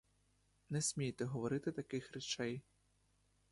Не смійте говорити таких речей.